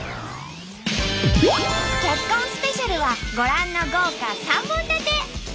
結婚スペシャルはご覧の豪華３本立て！